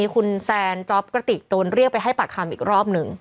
คุณแซนจ๊อปกระติกโดนเรียกไปให้ปากคำอีกรอบหนึ่ง